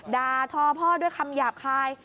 ด่าทอพ่อด้วยคำหยาบคาย